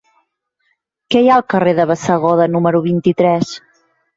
Què hi ha al carrer de Bassegoda número vint-i-tres?